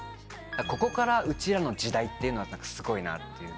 「ここからうちらの時代」っていうのはすごいなっていう。